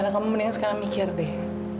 nona kamu mending sekarang mikir deh